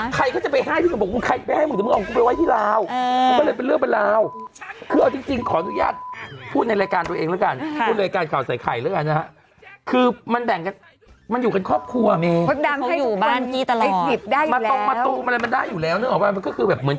ใครก็จะไปให้พี่นุ่มไปให้มึง